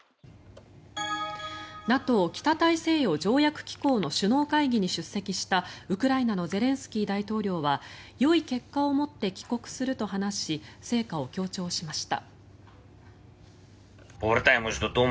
ＮＡＴＯ・北大西洋条約機構の首脳会議に出席したウクライナのゼレンスキー大統領はよい結果を持って帰国すると話し成果を強調しました。